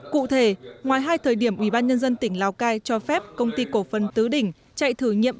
cụ thể ngoài hai thời điểm ủy ban nhân dân tỉnh lào cai cho phép công ty cổ phần tứ đỉnh chạy thử nhiệm